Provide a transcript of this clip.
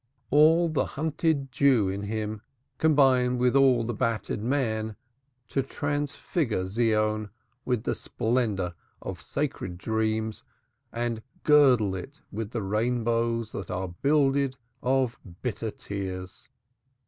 All the hunted Jew in him combined with all the battered man to transfigure Zion with the splendor of sacred dreams and girdle it with the rainbows that are builded of bitter tears.